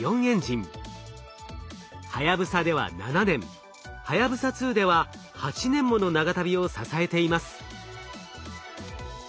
はやぶさでは７年はやぶさ２では８年もの長旅を支えています。